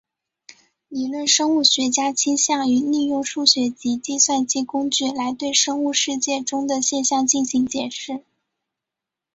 理论生物学家倾向于利用数学及计算机工具来对生物世界中的现象进行解释。